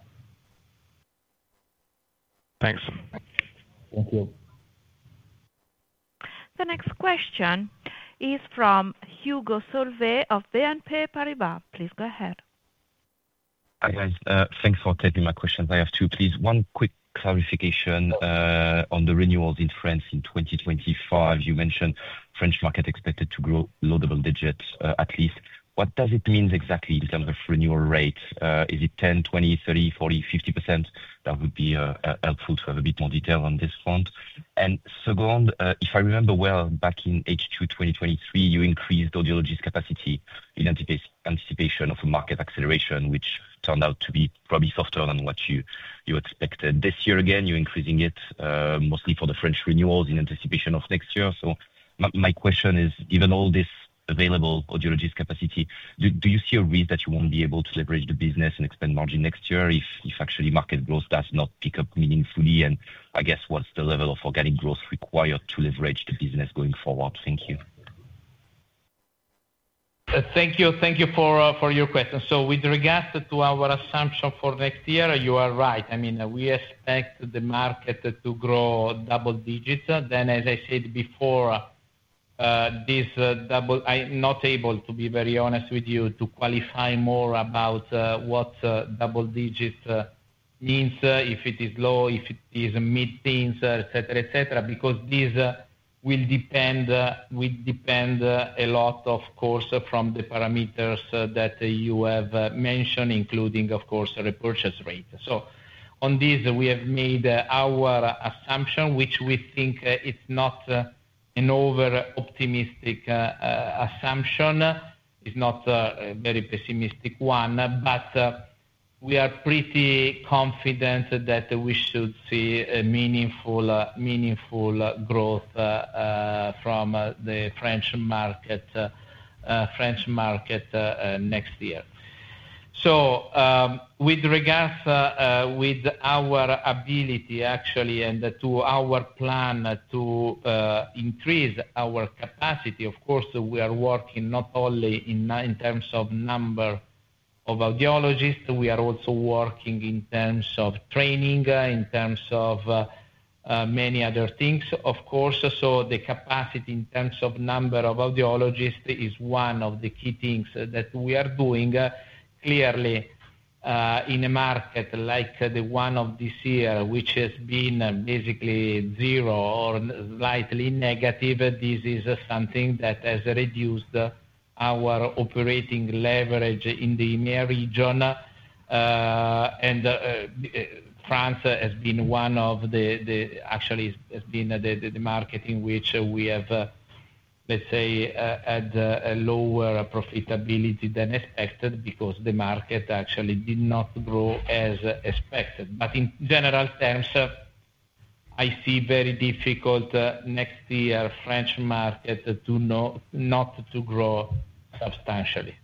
Thanks. Thank you. The next question is from Hugo Soltys of BNP Paribas. Please go ahead. Hi. Thanks for taking my questions. I have two, please. One quick clarification on the renewals in France in 2025. You mentioned French market expected to grow low double digits at least. What does it mean exactly in terms of renewal rate? Is it 10%, 20%, 30%, 40%, 50%? That would be helpful to have a bit more detail on this front. And second, if I remember well, back in H2 2023, you increased audiologist capacity in anticipation of a market acceleration, which turned out to be probably softer than what you expected. This year again, you're increasing it mostly for the French renewals in anticipation of next year. So my question is, given all this available audiologist capacity, do you see a risk that you won't be able to leverage the business and expand margin next year if actually market growth does not pick up meaningfully? And I guess what's the level of organic growth required to leverage the business going forward? Thank you. Thank you. Thank you for your question. So with regards to our assumption for next year, you are right. I mean, we expect the market to grow double digits. Then, as I said before, this double I'm not able to be very honest with you to qualify more about what double digit means, if it is low, if it is mid-teens, etc., etc., because this will depend a lot, of course, from the parameters that you have mentioned, including, of course, repurchase rate. So on this, we have made our assumption, which we think it's not an over-optimistic assumption. It's not a very pessimistic one, but we are pretty confident that we should see meaningful growth from the French market next year. So with regards with our ability, actually, and to our plan to increase our capacity, of course, we are working not only in terms of number of audiologists. We are also working in terms of training, in terms of many other things, of course. So the capacity in terms of number of audiologists is one of the key things that we are doing. Clearly, in a market like the one of this year, which has been basically zero or slightly negative, this is something that has reduced our operating leverage in the EMEA region. And France has been one of the actually has been the market in which we have, let's say, had a lower profitability than expected because the market actually did not grow as expected. But in general terms, I see very difficult next year French market to not grow substantially.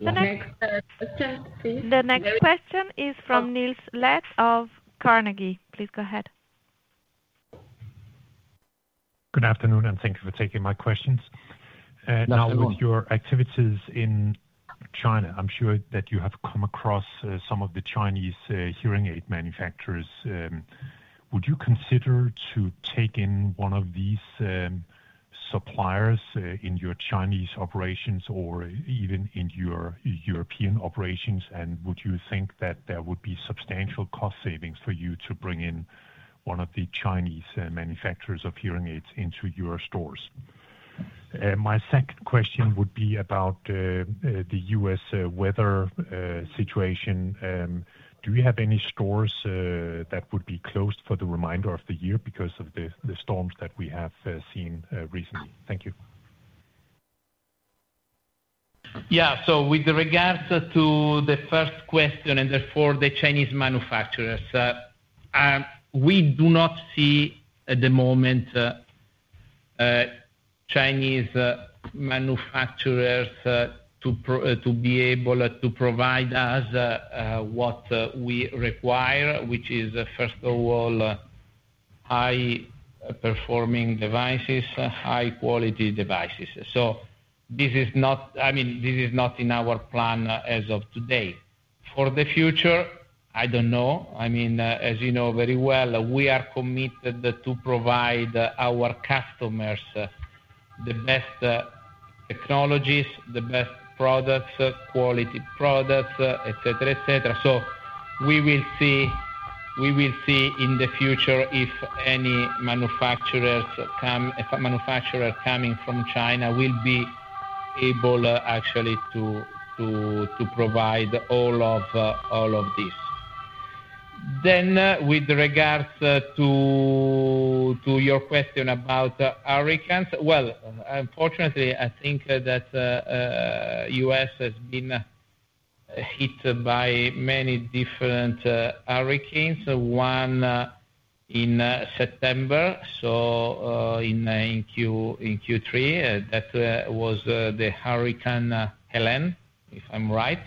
The next question, please. The next question is from Niels Granholm-Leth of Carnegie. Please go ahead. Good afternoon, and thank you for taking my questions. Now, with your activities in China, I'm sure that you have come across some of the Chinese hearing aid manufacturers. Would you consider to take in one of these suppliers in your Chinese operations or even in your European operations? And would you think that there would be substantial cost savings for you to bring in one of the Chinese manufacturers of hearing aids into your stores? My second question would be about the US weather situation. Do you have any stores that would be closed for the remainder of the year because of the storms that we have seen recently? Thank you. Yeah. With regards to the first question and therefore the Chinese manufacturers, we do not see at the moment Chinese manufacturers to be able to provide us what we require, which is, first of all, high-performing devices, high-quality devices. This is not, I mean, this is not in our plan as of today. For the future, I don't know. I mean, as you know very well, we are committed to provide our customers the best technologies, the best products, quality products, etc., etc. So we will see in the future if any manufacturers coming from China will be able actually to provide all of this. Then, with regards to your question about hurricanes, well, unfortunately, I think that the U.S. has been hit by many different hurricanes. One in September, so in Q3, that was the Hurricane Helene, if I'm right,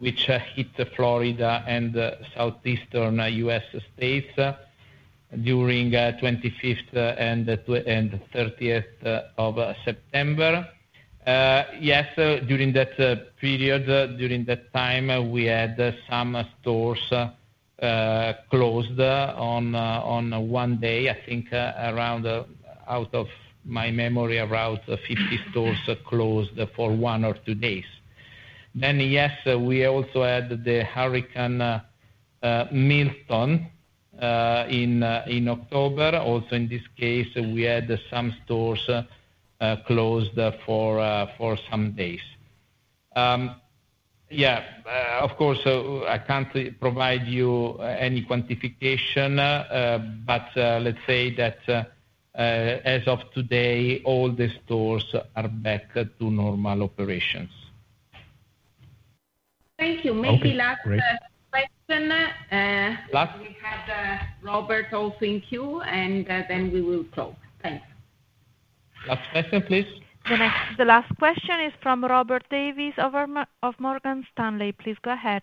which hit Florida and southeastern U.S. states during the 25th and 30th of September. Yes, during that period, during that time, we had some stores closed on one day. I think, out of my memory, around 50 stores closed for one or two days. Then, yes, we also had the Hurricane Milton in October. Also, in this case, we had some stores closed for some days. Yeah. Of course, I can't provide you any quantification, but let's say that as of today, all the stores are back to normal operations. Thank you. Maybe last question. Last? We had Robert also in queue, and then we will close. Thanks. Last question, please. The last question is from Robert Davies of Morgan Stanley. Please go ahead.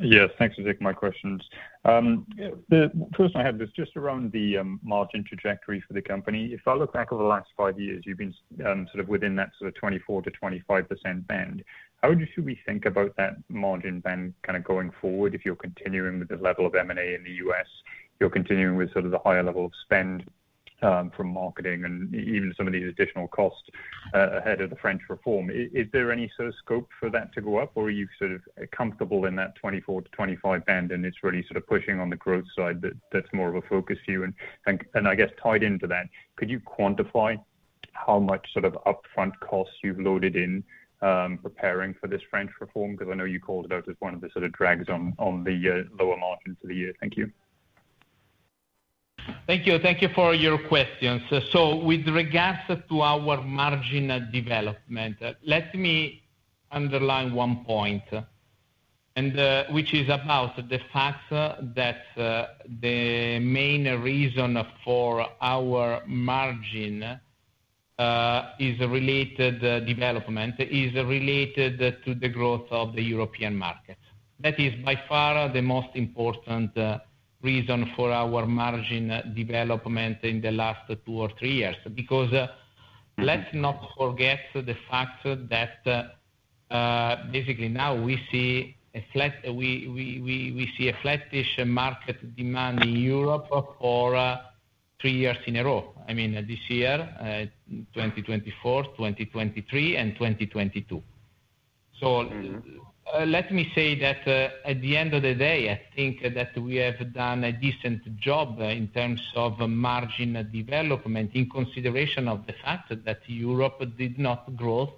Yes. Thanks for taking my questions. The first one I have is just around the margin trajectory for the company. If I look back over the last five years, you've been sort of within that sort of 24%-25% band. How should we think about that margin band kind of going forward if you're continuing with the level of M&A in the U.S., you're continuing with sort of the higher level of spend from marketing and even some of these additional costs ahead of the French reform? Is there any sort of scope for that to go up, or are you sort of comfortable in that 24%-25% band, and it's really sort of pushing on the growth side that's more of a focus view? And I guess tied into that, could you quantify how much sort of upfront costs you've loaded in preparing for this French reform? Because I know you called it out as one of the sort of drags on the lower margin for the year. Thank you. Thank you. Thank you for your questions. So with regards to our margin development, let me underline one point, which is about the fact that the main reason for our margin-related development is related to the growth of the European market. That is by far the most important reason for our margin development in the last two or three years because let's not forget the fact that basically now we see a flattish market demand in Europe for three years in a row. I mean, this year, 2024, 2023, and 2022. So let me say that at the end of the day, I think that we have done a decent job in terms of margin development in consideration of the fact that Europe did not grow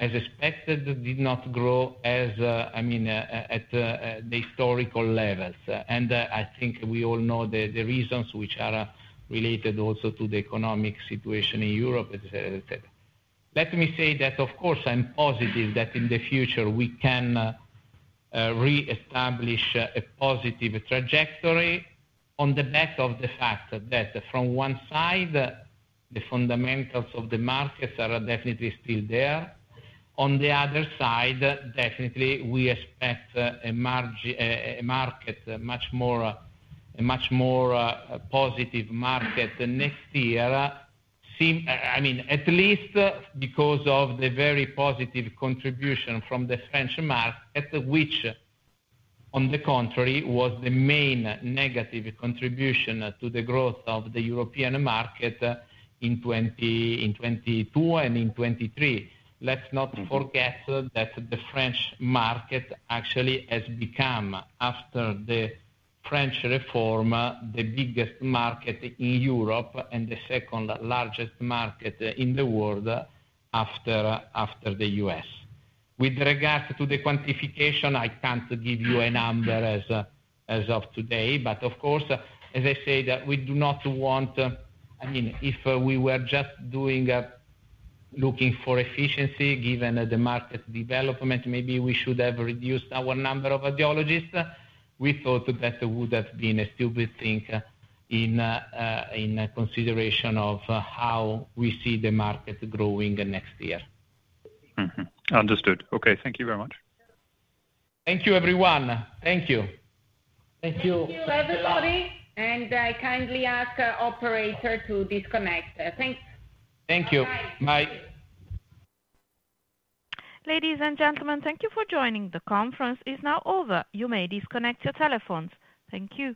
as expected, did not grow as, I mean, at the historical levels. And I think we all know the reasons which are related also to the economic situation in Europe, etc. Let me say that, of course, I'm positive that in the future we can reestablish a positive trajectory on the back of the fact that from one side, the fundamentals of the markets are definitely still there. On the other side, definitely we expect a market, a much more positive market next year, I mean, at least because of the very positive contribution from the French market, which, on the contrary, was the main negative contribution to the growth of the European market in 2022 and in 2023. Let's not forget that the French market actually has become, after the French reform, the biggest market in Europe and the second largest market in the world after the U.S. With regards to the quantification, I can't give you a number as of today. But of course, as I said, we do not want, I mean, if we were just looking for efficiency, given the market development, maybe we should have reduced our number of audiologists. We thought that would have been a stupid thing in consideration of how we see the market growing next year. Understood. Okay. Thank you very much. Thank you, everyone. Thank you. Thank you. Thank you, everybody. And I kindly ask Operator to disconnect. Thanks. Thank you. Bye. Bye. Ladies and gentlemen, thank you for joining. The conference is now over. You may disconnect your telephones. Thank you.